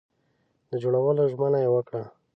د جوړولو ژمنه یې وکړه.